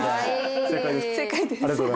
正解ですか？